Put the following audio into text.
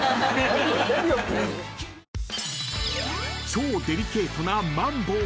［超デリケートなマンボウ］